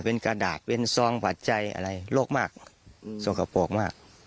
เป็นกระดาษเป็นซองปัจจัยอะไรโรคมากสกปรกมาก